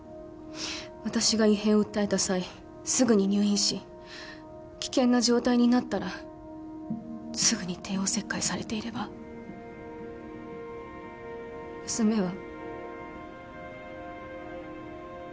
私が異変を訴えた際すぐに入院し危険な状態になったらすぐに帝王切開されていれば娘は。